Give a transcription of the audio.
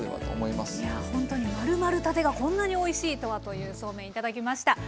いやほんとに○○たてがこんなにおいしいとはというそうめん頂きました。